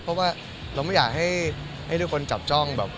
เพราะว่าเราไม่อยากให้ทุกคนจับจ้องแบบ